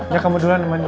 ya kamu duluan mandi